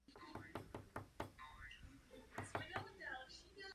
Poprvé se proslavil jako sólový zpěvák a flétnista v progressive rockové skupině Genesis.